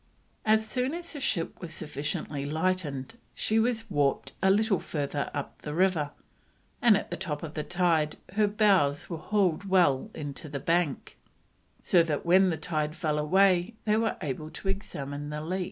As soon as the ship was sufficiently lightened she was warped a little further up the river, and at the top of the tide her bows were hauled well into the bank, so that when the tide fell they were able to examine the leak.